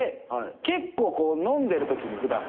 結構飲んでるときに普段。